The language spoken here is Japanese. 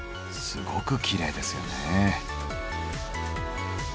すごくきれいですよね。